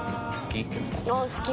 好き？